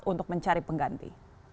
untuk mencari pengganti